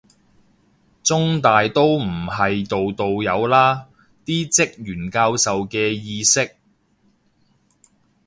中大都唔係度度有啦，啲職員教授嘅意識